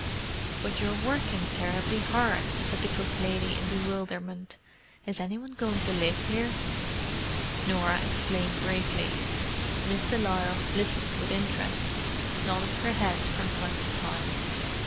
"But you're working terribly hard," said the cook lady, in bewilderment. "Is any one going to live here?" Norah explained briefly. Miss de Lisle listened with interest, nodding her head from time to time.